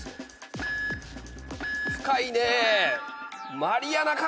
深いね。